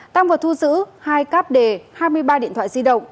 tăng vật thu giữ hai cáp đề hai mươi ba điện thoại di động